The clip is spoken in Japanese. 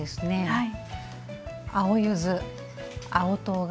はい。